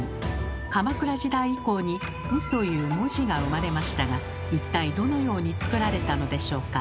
鎌倉時代以降に「ん」という文字が生まれましたが一体どのように作られたのでしょうか。